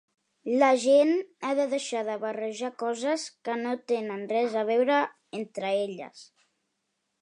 La gent ha de deixar de barrejar coses que no tenen res a veure entre elles.